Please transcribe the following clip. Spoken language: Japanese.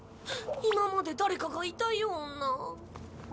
今まで誰かがいたような。